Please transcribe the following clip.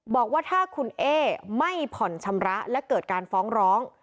บอกว่าถ้าคุณเอ๊ไม่ผ่อนชำระและเกิดการฟ้องร้อง